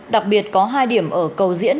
đặc biệt có hai điểm ở cầu diện